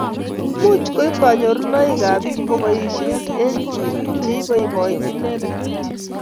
Much koip kanyorunoik ab piik kopoishe eng' che ibaibait inet kityo